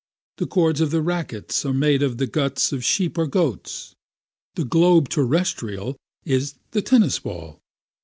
The cords of the rackets are made of the guts of sheep or goats. The globe terrestrial is the tennis ball.